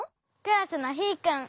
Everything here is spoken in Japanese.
クラスのヒーくん。